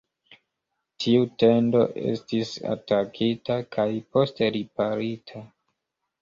Tiu tendo estis atakita kaj poste riparita.